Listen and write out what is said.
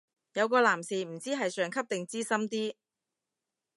有個男士唔知係上級定資深啲